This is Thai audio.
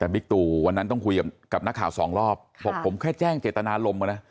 บิ๊กตูวันนั้นต้องคุยกับหน้าข่าว๒รอบบอกผมแค่แจ้งเจตนารมเนอะ